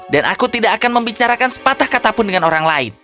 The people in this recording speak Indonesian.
dan aku tidak akan membicarakan sepatah katapun dengan orang lain